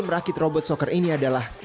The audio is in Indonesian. merakit robot soccer ini adalah